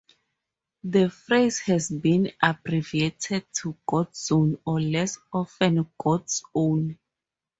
The phrase has been abbreviated to Godzone or less often Godzown.